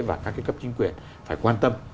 và các cái cấp chính quyền phải quan tâm